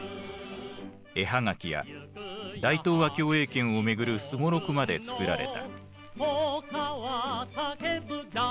絵葉書や大東亜共栄圏を巡るすごろくまで作られた。